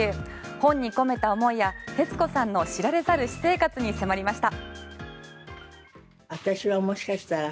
本に込めた思いや徹子さんの知られざる私生活に迫りました。